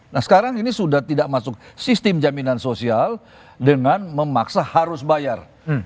nah sekarang ini sudah tidak masuk sistem jaminan sosial dengan memaksa harus bayar